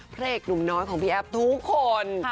พระเอกหนุ่มน้อยของพี่แอฟทุกคน